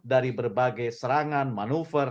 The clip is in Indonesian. dari berbagai serangan manuver